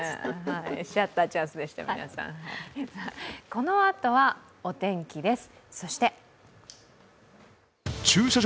このあとはお天気です。